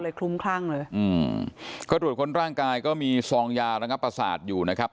ก็เลยคุ้มครั่งเลยอืมก็ตรวจค้นร่างกายก็มีซองยารังภาษาอยู่นะครับ